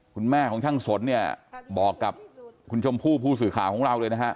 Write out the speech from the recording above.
คุณแม่ของช่างสนเนี่ยบอกกับคุณชมพู่ผู้สื่อข่าวของเราเลยนะฮะ